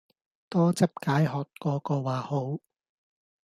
多汁解渴個個話好